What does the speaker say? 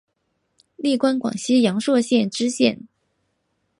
历官广西阳朔县知县。